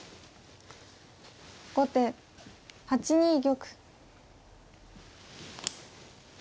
後手８二玉。